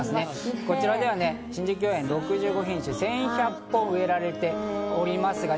こちらでは新宿御苑、６５品種１１００本植えられております。